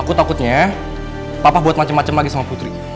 aku takutnya papa buat macem macem lagi sama putri